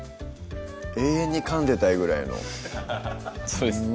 永遠にかんでたいぐらいのそうですね